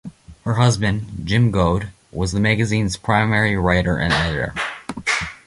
Her husband, Jim Goad, was the magazine's primary writer and editor.